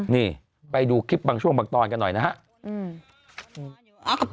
นี่ไปดูคลิปบางช่วงบางตอนกันหน่อยนะครับ